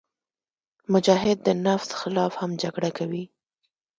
مجاهد د نفس خلاف هم جګړه کوي.